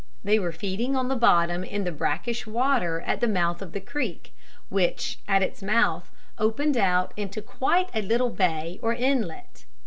They were feeding on the bottom in the brackish water at the mouth of the creek, which at its mouth opened out into quite a little bay or inlet.